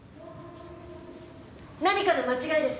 何かの間違いです。